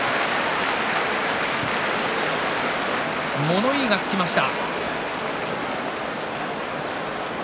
物言いがつきました。